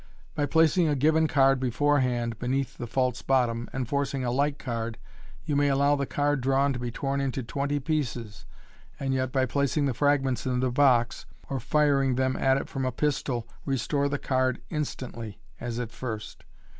By placing a given card beforehand beneath the false bottom^ and forcing a like card, you may allow the card drawn to be torn into twenty pieces, and yet, by placing the fragments in the box, or firing them at it from a pistol, restore the card instantly, as at first.